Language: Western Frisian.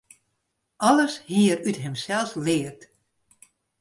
Alles hie er út himsels leard.